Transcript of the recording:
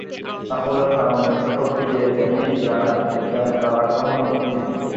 সাফল্যের কারণ ব্যাখ্যা করতে গিয়ে জেমি জানায়, বিজ্ঞানে তার আগ্রহ অনেক দিনের।